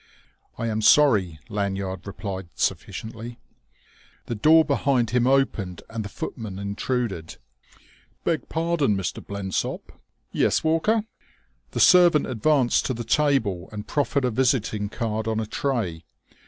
"I am sorry," Lanyard replied sufficiently. The door behind him opened, and the footman intruded. "Beg pardon, Mr. Blensop...." "Yes, Walker?" The servant advanced to the table and proffered a visiting card on a tray.